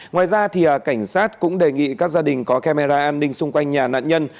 ngoài ra cảnh sát cũng đề nghị các gia đình có camera an ninh xung quanh nhà nạn nhân